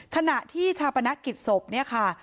ขณะที่ชาปนกิจศพเนี่ยค่ะ